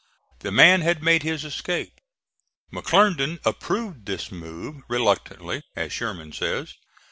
The man had made his escape. McClernand approved this move reluctantly, as Sherman says.